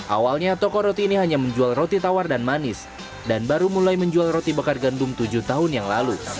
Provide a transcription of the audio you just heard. awalnya toko roti ini hanya menjual roti tawar dan manis dan baru mulai menjual roti bakar gandum tujuh tahun yang lalu